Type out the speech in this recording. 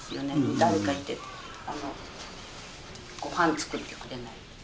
誰かいてご飯作ってくれないと。